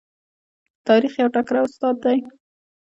تاریخ یو تکړه استاد دی.